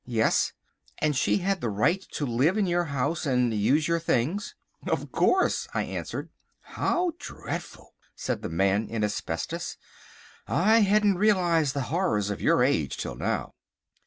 "Yes." "And she had the right to live in your house and use your things?" "Of course," I answered. "How dreadful!" said the Man in Asbestos. "I hadn't realised the horrors of your age till now."